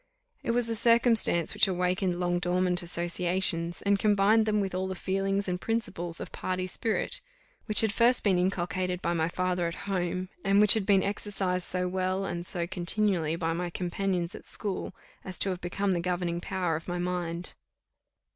It was a circumstance which awakened long dormant associations, and combined them with all the feelings and principles of party spirit, which had first been inculcated by my father at home, and which had been exercised so well and so continually by my companions at school, as to have become the governing power of my mind.